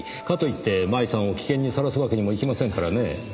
かといって麻衣さんを危険にさらすわけにもいきませんからね。